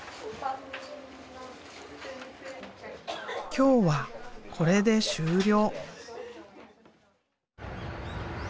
今日はこれで終了。